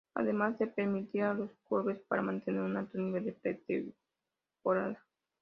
Además de permitir a los clubes para mantener un alto nivel de pretemporada.